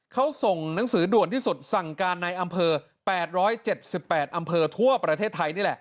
เขาส่งหนังสือด่วนที่สุดสั่งการในอำเภอ๘๗๘อำเภอทั่วประเทศไทยนี่แหละ